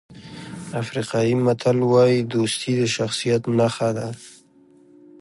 افریقایي متل وایي دوستي د شخصیت نښه ده.